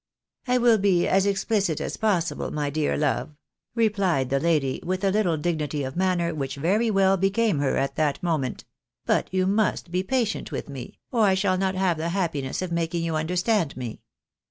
" I will be as explicit as possible, my dear love," replied the lady, with a Httle dignity of manner, which well became her at that moment ;" but you must be patient with me, or I shall not have the happiness of making you understand me.